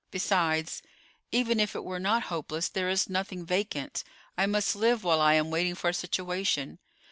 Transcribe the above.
Besides, even if it were not hopeless, there is nothing vacant. I must live while I am waiting for a situation.